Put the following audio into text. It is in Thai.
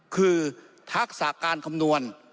คือทักษะการคำนวณ